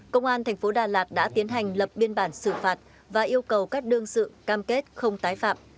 công an thành phố đà lạt đã tiến hành lập biên bản xử phạt và yêu cầu các đương sự cam kết không tái phạm